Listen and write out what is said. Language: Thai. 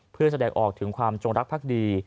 เพื่อแสดงออกถึงความจงรักภักดี